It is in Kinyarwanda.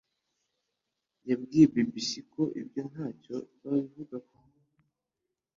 yabwiye BBC ko ibyo ntacyo babivugaho